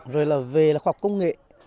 rồi là về là khoa học công nghệ